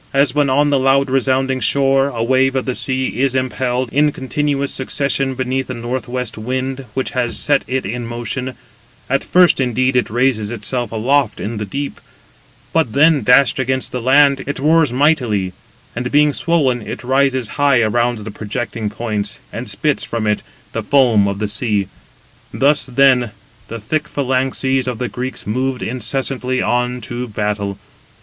As when on the loud resounding shore a wave of the sea is impelled in continuous succession beneath the north west wind which has set it in motion; at first indeed it raises itself aloft in the deep, but then dashed against the land, it roars mightily; and being swollen it rises high around the projecting points, and spits from it the foam of the sea: thus then the thick phalanxes of the Greeks moved incessantly on to battle.